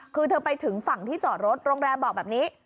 คือเธอไปถึงฝั่งที่จอดรถโรงแรมบอกแบบนี้